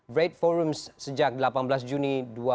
grade forums sejak delapan belas juni dua ribu dua puluh